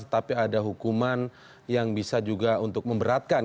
tetapi ada hukuman yang bisa juga untuk memberatkan